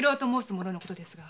者のことですが。